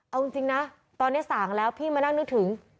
เอาจริงนะตอนนี้สั่งแล้วพี่มานั่งนึกถึง